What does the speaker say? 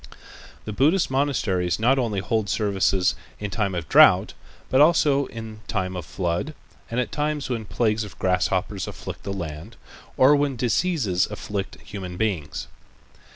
The Buddhist monasteries not only hold services in time of drought, but also in time of flood and at times when plagues of grasshoppers afflict the land, or when diseases afflict human beings.